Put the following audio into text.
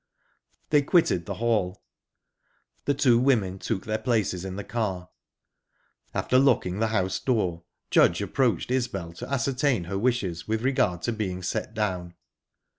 They quitted the hall. The two women took their places in the car. After locking the house door, Judge approached Isbel to ascertain her wishes with regard to being set down.